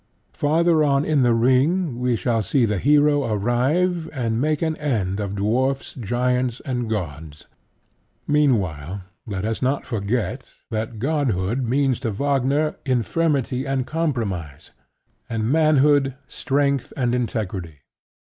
Farther on in The Ring we shall see the Hero arrive and make an end of dwarfs, giants, and gods. Meanwhile, let us not forget that godhood means to Wagner infirmity and compromise, and manhood strength and integrity.